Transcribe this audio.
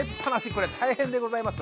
こりゃ大変でございます。